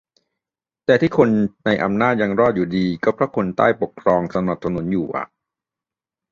แต่ที่คนในอำนาจยังรอดอยู่ดี ก็เพราะมีคนใต้ปกครองสนับสนุนอยู่อะ